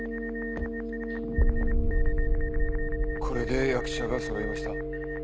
これで役者が揃いました。